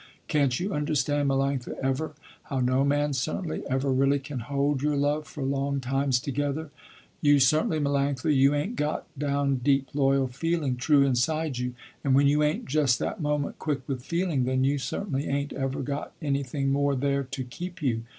Can't you understand Melanctha, ever, how no man certainly ever really can hold your love for long times together. You certainly Melanctha, you ain't got down deep loyal feeling, true inside you, and when you ain't just that moment quick with feeling, then you certainly ain't ever got anything more there to keep you.